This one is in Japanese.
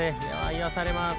癒やされます。